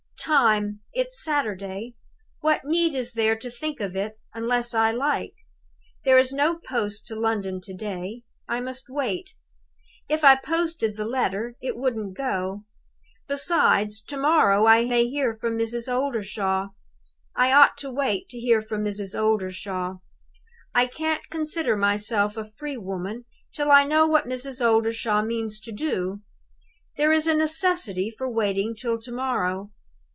Time? It's Saturday! What need is there to think of it, unless I like? There is no post to London to day. I must wait. If I posted the letter, it wouldn't go. Besides, to morrow I may hear from Mrs. Oldershaw. I ought to wait to hear from Mrs. Oldershaw. I can't consider myself a free woman till I know what Mrs. Oldershaw means to do. There is a necessity for waiting till to morrow.